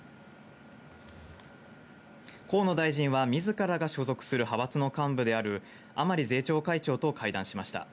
河野大臣はみずからが所属する派閥の幹部である甘利税調会長と会談しました。